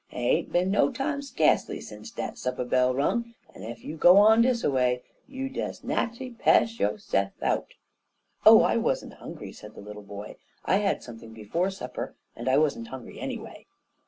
Hit ain't bin no time, skacely, sence de supper bell rung, en ef you go on dis a way, you'll des nat'ally pe'sh yo'se'f out." "Oh, I wasn't hungry," said the little boy. "I had something before supper, and I wasn't hungry anyway."